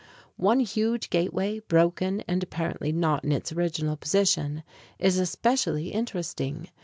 One huge gateway, broken and apparently not in its original position, is especially interesting.